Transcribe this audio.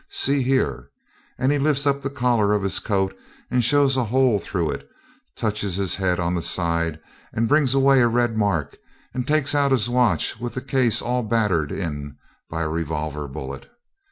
See here,' and he lifts up the collar of his coat and shows a hole through it, touches his head on the side, and brings away a red mark; and takes out his watch with the case all battered in by a revolver bullet.